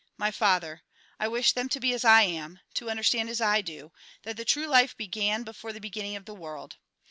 My Father ! I wish them to be as I am ; to understand as I do, that the true life began before the beginning of the world.